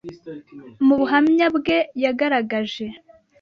mu buhamya bwe yagaragaje